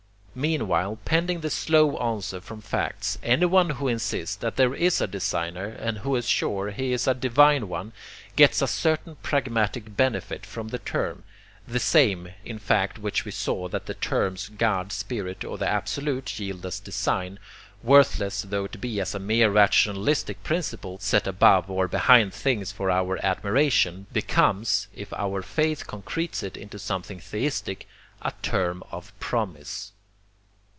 Meanwhile, pending the slow answer from facts, anyone who insists that there is a designer and who is sure he is a divine one, gets a certain pragmatic benefit from the term the same, in fact which we saw that the terms God, Spirit, or the Absolute, yield us 'Design,' worthless tho it be as a mere rationalistic principle set above or behind things for our admiration, becomes, if our faith concretes it into something theistic, a term of PROMISE.